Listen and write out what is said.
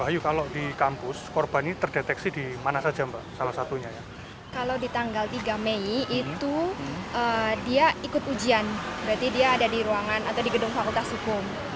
yang menurut cctv kami di titik ini ini adalah halte satu fakultas hukum